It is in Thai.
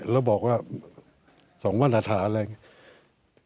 แล้วบอกว่า๒วันอาถารณ์อะไรอย่างนี้